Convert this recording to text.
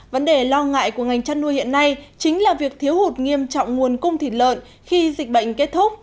vấn đề lo ngại của ngành chăn nuôi hiện nay chính là việc thiếu hụt nghiêm trọng nguồn cung thịt lợn khi dịch bệnh kết thúc